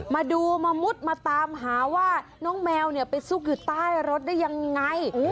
มาดูมามุดมาตามหาว่าน้องแมวไปซุกอยู่ใต้รถได้ยังไง